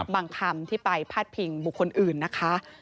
คำที่ไปพาดพิงบุคคลอื่นนะคะ